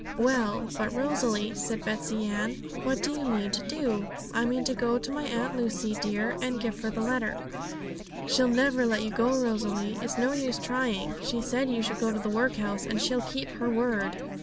'Well, but Rosalie,' said Betsey Ann, 'what do you mean to do?' 'I mean to go to my Aunt Lucy, dear, and give her the letter.' 'She'll never let you go, Rosalie; it's no use trying. She said you should go to the workhouse, and she'll keep her word!'